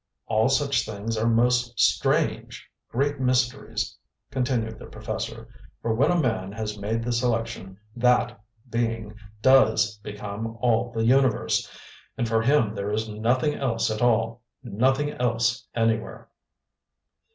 "All such things are most strange great mysteries," continued the professor. "For when a man has made the selection, THAT being DOES become all the universe, and for him there is nothing else at all nothing else anywhere!"